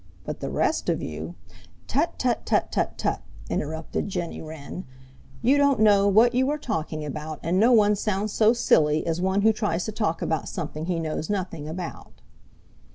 But the rest of you " "Tut, tut, tut, tut, tut!" interrupted Jenny Wren. "You don't know what you are talking about, and no one sounds so silly as one who tries to talk about something he knows nothing about."